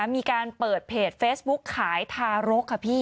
มีการเปิดเพจเฟซบุ๊กขายทารกค่ะพี่